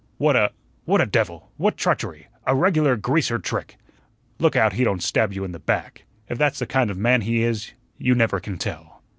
"What a what a devil! What treachery! A regular greaser trick!" "Look out he don't stab you in the back. If that's the kind of man he is, you never can tell."